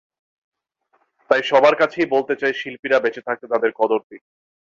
তাই সবার কাছে বলতে চাই, শিল্পীরা বেঁচে থাকতে তাঁদের কদর দিন।